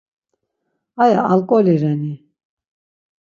Aya alǩoli reni?